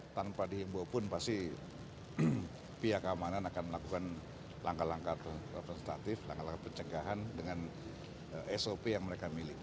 tanpa dihimbau pun pasti pihak keamanan akan melakukan langkah langkah representatif langkah langkah pencegahan dengan sop yang mereka miliki